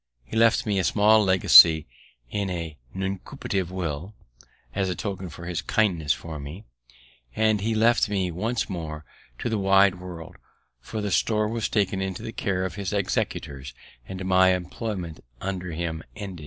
He left me a small legacy in a nuncupative will, as a token of his kindness for me, and he left me once more to the wide world; for the store was taken into the care of his executors, and my employment under him ended.